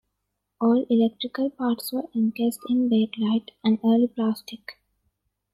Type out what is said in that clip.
All electrical parts were encased in bakelite, an early plastic.